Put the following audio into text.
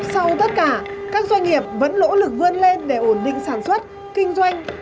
sau tất cả các doanh nghiệp vẫn nỗ lực vươn lên để ổn định sản xuất kinh doanh